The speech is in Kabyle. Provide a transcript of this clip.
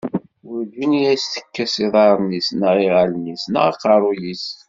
Werǧin i as-tekkes iḍarren-is, neɣ iɣallen-is, neɣ aqerru-s.